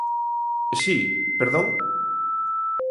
Si, ¿perdón?